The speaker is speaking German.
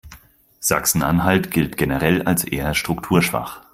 Sachsen-Anhalt gilt generell als eher strukturschwach.